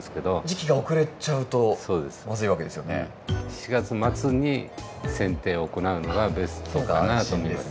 ７月末にせん定を行うのがベストかなと思うんです。